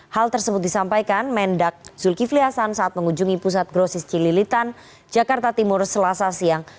hal tersebut disampaikan mendak zulkifli hasan saat mengunjungi pusat grosis cililitan jakarta timur selasa siang